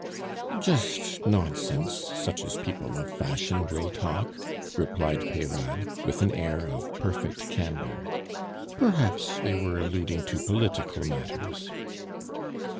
"Just nonsense, such as people of fashion will talk," replied Peyrade, with an air of perfect candor. "Perhaps they were alluding to political matters."